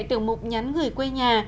tiểu mục nhắn người quê nhà